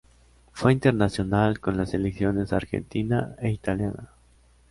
Fue internacional con las Selecciones argentina e italiana.